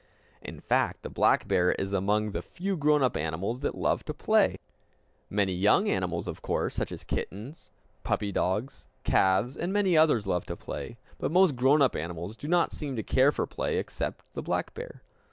In fact, the black bear is among the few grown up animals that love to play. Many young animals of course, such as kittens, puppy dogs, calves, and many others, love to play. But most grown up animals do not seem to care for play, except the black bear.